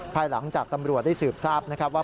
ภายหลังจากตำรวจได้สืบทราบนะครับว่า